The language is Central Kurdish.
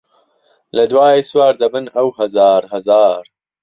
له دوای سوار دهبن ئهو ههزار ههزار